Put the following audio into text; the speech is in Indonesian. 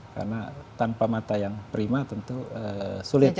karena tanpa mata yang prima tentu sulit